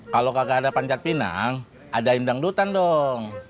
kalau kakak ada pancat pinang ada indangdutan dong